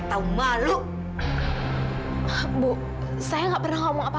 kamu pura pura melas ya